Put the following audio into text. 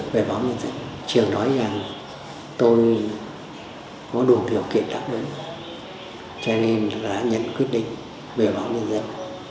về báo tiên dân trường nói rằng tôi có đủ điều kiện đáp ứng cho nên là nhận quyết định về báo tiên dân